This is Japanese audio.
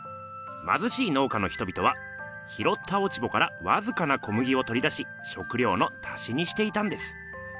まずしい農家の人々は拾った落ち穂からわずかな小麦をとり出ししょくりょうの足しにしていたんです。